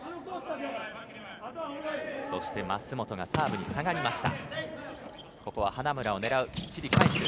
そして舛本がサーブに下がりました。